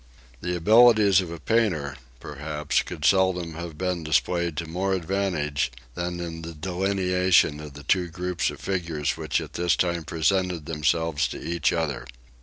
The abilities of a painter, perhaps, could seldom have been displayed to more advantage than in the delineation of the two groups of figures which at this time presented themselves to each other.